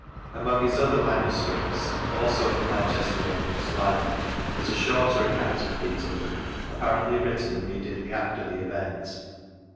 Among his other manuscripts (also at the Manchester Refer ence Library) is a shorter account of Peterloo, vGoogIc JOHN BENJAMIN SMI1« 6i apparently written immediately after the eVent.